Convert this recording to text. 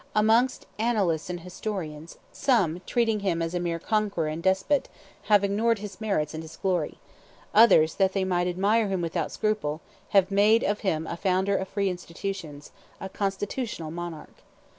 Amongst annalists and historians, some, treating him as a mere conqueror and despot, have ignored his merits and his glory; others, that they might admire him without scruple, have made of him a founder of free institutions, a constitutional monarch.